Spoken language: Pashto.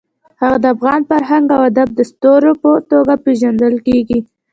هغه د افغان فرهنګ او ادب د ستوري په توګه پېژندل کېږي.